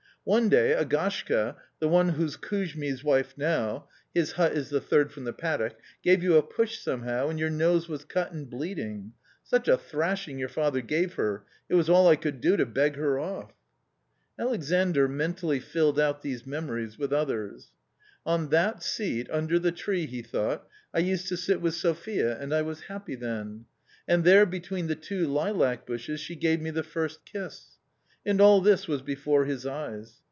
One day Agashka, the one who's Kouzmiy's wife now — his hut is the third from the paddock — gave you a push somehow and your nose was cut and bleeding ; such a thrashing your father gave her, it was all I could do to beg her off." Alexandr mentally filled out these memories with others. " On that seat, under the tree," he thought, " I used to sit with Sophia, and I was happy then. And there between the two lilac bushes, she gave me the first kiss." And all this was before his eyes.